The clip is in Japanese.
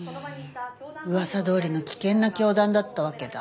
うーん噂どおりの危険な教団だったわけだ。